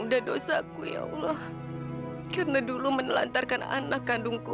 dari tadi kita di dalam gak ada apa apa